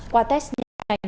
qua test nhanh